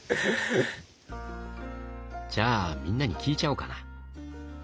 じゃあみんなに聞いちゃおうかな。